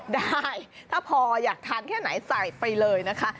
ได้ถ้าพออยากทานแค่ไหนใส่ไปเลยนะคะ